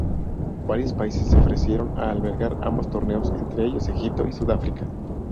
Varios países se ofrecieron a albergar ambos torneos, entre ellos Egipto y Sudáfrica.